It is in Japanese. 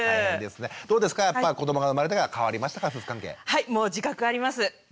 はいもう自覚あります。